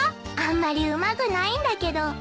あんまりうまぐないんだけど。